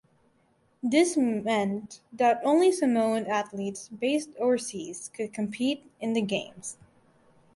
This meant that only Samoan athletes based overseas could compete in the games.